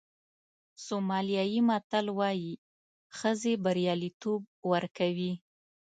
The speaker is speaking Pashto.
سومالیایي متل وایي ښځې بریالیتوب ورکوي.